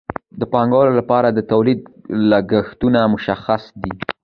د پانګوال لپاره د تولید لګښتونه مشخص دي